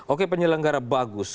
oke penyelenggara bagus